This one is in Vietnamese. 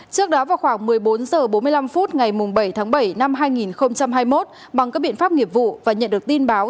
trước đó vào khoảng một mươi bốn h bốn mươi năm phút ngày bảy tháng bảy năm hai nghìn hai mươi một bằng các biện pháp nghiệp vụ và nhận được tin báo